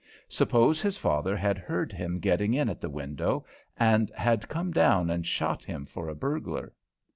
Suppose his father had heard him getting in at the window and had come down and shot him for a burglar?